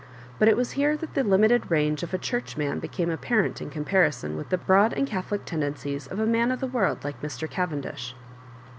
But it was here that the limited range of a Church roan became apparent in comparison with the broad and catholic tendencies of a man of the world like Mr. Cavendish.